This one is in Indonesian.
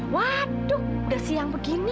waduh udah siang begini